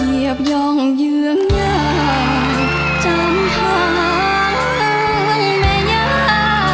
เหยียบย่องเยื้องใหญ่จำทางแม่ย่า